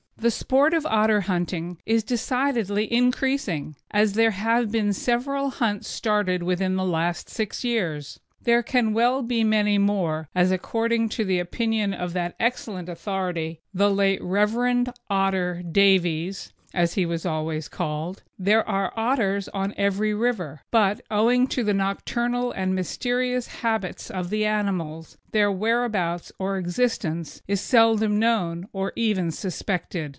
The sport of otter hunting is decidedly increasing, as there have been several hunts started within the last six years. There can well be many more, as, according to the opinion of that excellent authority, the late Rev. "Otter" Davies, as he was always called, there are otters on every river; but, owing to the nocturnal and mysterious habits of the animals, their whereabouts or existence is seldom known, or even suspected.